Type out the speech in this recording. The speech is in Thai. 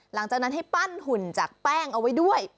หลังจากนั้นให้ปั้นหุ่นจากแป้งเอาไว้ด้วย